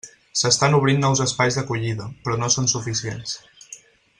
S'estan obrint nous espais d'acollida, però no són suficients.